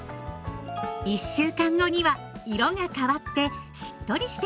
１週間後には色が変わってしっとりしてきます。